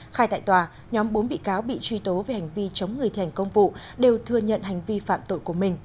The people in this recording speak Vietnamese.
khai tại tòa nhóm bốn bị cáo bị truy tố về hành vi chống người thi hành công vụ đều thừa nhận hành vi phạm tội của mình